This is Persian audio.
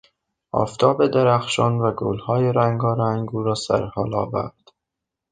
آفتاب درخشان و گلهای رنگارنگ او را سرحال آورد.